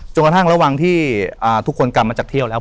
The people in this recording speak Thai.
กระทั่งระหว่างที่ทุกคนกลับมาจากเที่ยวแล้ว